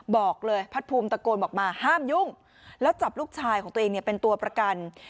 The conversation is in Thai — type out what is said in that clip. บอกเลยพัดภูมิตะโกนบอกมาห้ามยุ่งแล้วจับลูกชายของตัวเองเนี่ยเป็นตัวประกัน